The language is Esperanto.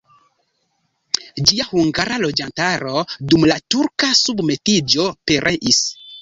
Ĝia hungara loĝantaro dum la turka submetiĝo pereis.